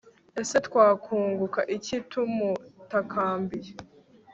ese twakunguka iki tumutakambiye